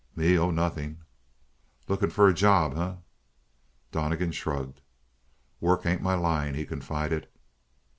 "Me? Oh, nothing." "Looking for a job, eh?" Donnegan shrugged. "Work ain't my line," he confided.